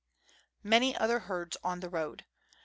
Many other Herds on the Road.